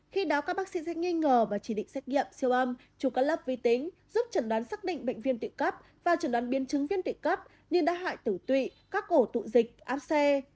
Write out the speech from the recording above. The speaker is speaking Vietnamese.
khi đó các bác sĩ sẽ nghi ngờ và chỉ định xét nghiệm siêu âm trục các lớp vi tính giúp chẩn đoán xác định bệnh viên tụy cấp và chẩn đoán biên chứng viên tụy cấp nhưng đã hại tử tụy các ổ tụ dịch áp xe